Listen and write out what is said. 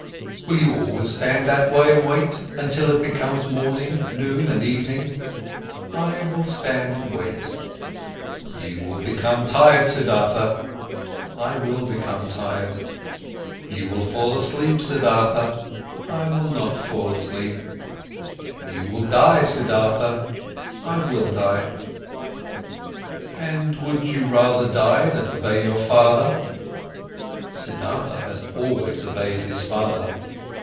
"Will you always stand that way and wait, until it'll becomes morning, noon, and evening?" "I will stand and wait." "You will become tired, Siddhartha." "I will become tired." "You will fall asleep, Siddhartha." "I will not fall asleep." "You will die, Siddhartha." "I will die." "And would you rather die, than obey your father?" "Siddhartha has always obeyed his father."